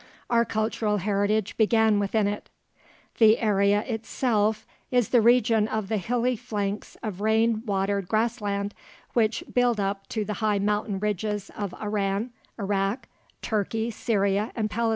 Our cultural heritage began within it. The area itself is the region of the hilly flanks of rain watered grass land which build up to the high mountain ridges of Iran, Iraq, Turkey, Syria, and Palestine.